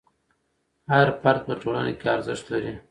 هر فرد په ټولنه کې ارزښت لري.